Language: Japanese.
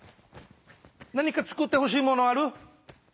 何か作ってほしいものある？